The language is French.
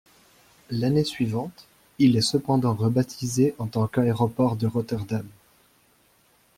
L'année suivante, il est cependant rebaptisé en tant qu'aéroport de Rotterdam.